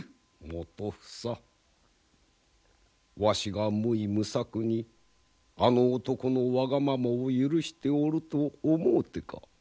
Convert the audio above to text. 基房わしが無為無策にあの男のわがままを許しておると思うてか？